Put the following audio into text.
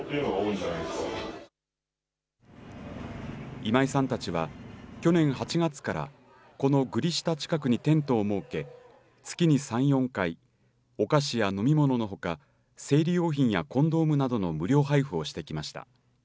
今井さんたちは去年８月からこのグリ下近くにテントを設け月に３４回お菓子や飲料、飲み物のほか生理用品やコンドームなどの無料配布をしてきました。